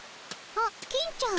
あっ金ちゃん。